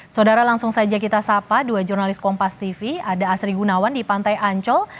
saudara langsung saja kita sapa dua jurnalis kompas tv ada asri gunawan di pantai ancol